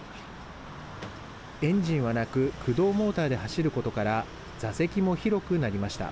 エンジンはなく駆動モーターで走ることから座席も広くなりました。